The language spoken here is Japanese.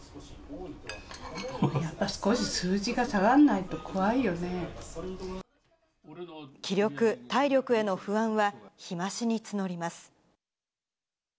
やっぱ、少し数字が下がらな気力、体力への不安は日増しに募ります。